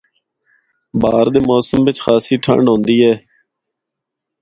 بہار دے موسم بچ بھی خاصی ٹھنڈ ہوندی اے۔